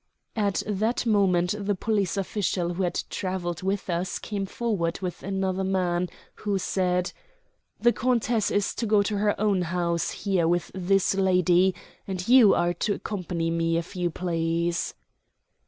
At that moment the police official who had travelled with us came forward with another man, who said: "The countess is to go to her own house here with this lady; and you are to accompany me, if you please."